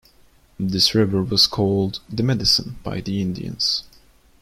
This river was called "The Medicine" by the Indians.